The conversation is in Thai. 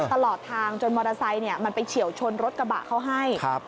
ตลอดทางจนมอเตอร์ไซค์มันไปเฉียวชนรถกระบะเขาให้